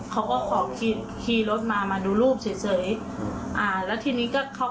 เขาวิวาสกับแฟนเขา